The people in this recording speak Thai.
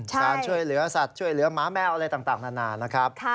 การช่วยเหลือสัตว์ช่วยเหลือหมาแมวอะไรต่างนานานะครับ